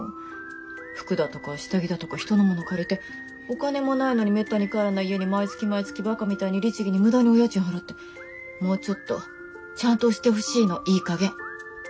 服だとか下着だとか人のもの借りてお金もないのにめったに帰らない家に毎月毎月バカみたいに律儀に無駄にお家賃払ってもうちょっとちゃんとしてほしいのいいかげん。